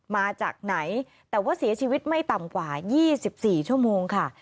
มาจากไหนแต่ว่าเสียชีวิตไม่ต่ำกว่า๒๔ชั่วโมงค่ะ